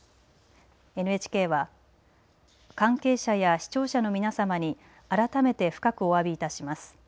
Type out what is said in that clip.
ＮＨＫは関係者や視聴者の皆さまに改めて深くお詫びいたします。